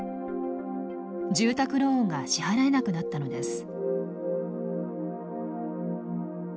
住宅ローンが支払えなくなったのです。